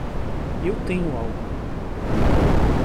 Eu tenho algo!